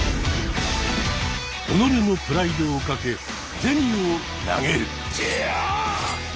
己のプライドを懸け銭を投げる。